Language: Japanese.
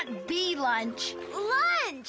ランチ？